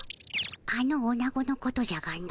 あのおなごのことじゃがの。